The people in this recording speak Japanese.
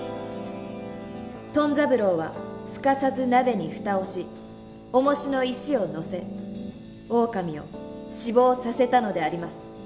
トン三郎はすかさず鍋に蓋をしおもしの石を載せオオカミを死亡させたのであります。